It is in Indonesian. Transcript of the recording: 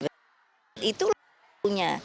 dan itu adalah halnya